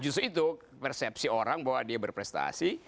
justru itu persepsi orang bahwa dia berprestasi